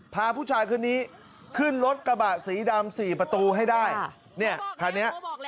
พาผู้ชายคนนี้ขึ้นรถกระบะสีดำสี่ประตูให้ได้เนี่ยคันนี้